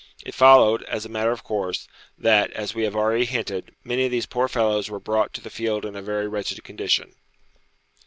It followed, as a matter of course, that, as we have already hinted, many of these poor fellows were brought to the field in a very wretched condition.